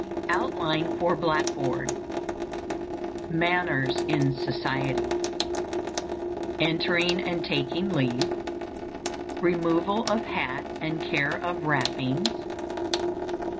OUTLINE FOR BLACKBOARD. MANNERS IN SOCIETY. Entering and taking leave. _Removal of hat and care of wrappings.